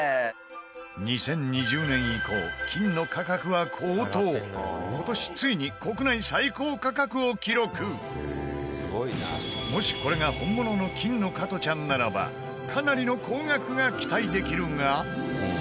２０２０年以降金の価格は高騰今年、ついに国内最高価格を記録もし、これが本物の金の加トちゃんならばかなりの高額が期待できるが北山：